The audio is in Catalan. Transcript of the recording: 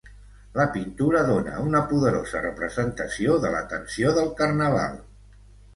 La pintura dóna una poderosa representació de la tensió del carnaval.